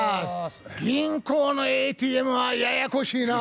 銀行のＡＴＭはややこしいなぁ。